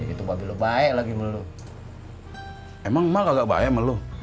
itu baik lagi melu emang malah gak bayam lu